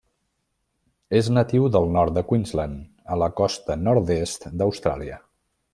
És natiu del nord de Queensland, a la costa nord-est d'Austràlia.